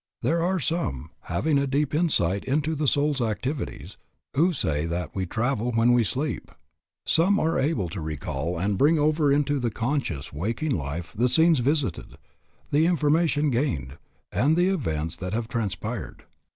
There are some, having a deep insight into the soul's activities, who say that we travel when we sleep. Some are able to recall and bring over into the conscious, waking life the scenes visited, the information gained, and the events that have transpired.